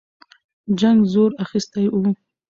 جنګ زور اخیستی وو.